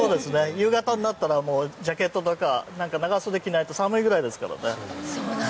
夕方になったらジャケットとか長袖を着ないと寒いくらいですからね。